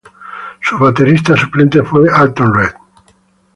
Su baterista suplente fue Alton Redd.